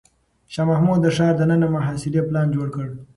شاه محمود د ښار دننه د محاصرې پلان جوړ کړ.